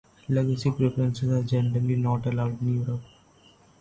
Legacy preferences are generally not allowed in Europe.